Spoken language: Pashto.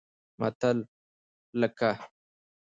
متل لکه